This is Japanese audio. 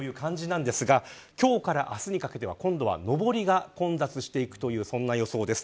今日から明日にかけては上りが混雑していくという予想です。